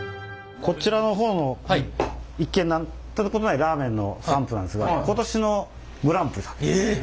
こちらの方の一見なんてことのないラーメンのサンプルなんですが今年のグランプリ。